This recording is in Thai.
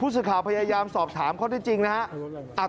ผู้สุข่าวพยายามสอบถามเขาได้จริงนะครับ